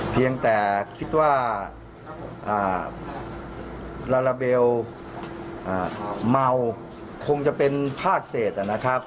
เพียงแต่คิดว่าลาลาเบลเมาคงจะเป็นภาคเศษนะครับ